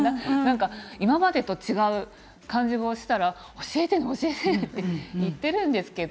今までと違う感じがしたら教えてねって言っているんですけれど。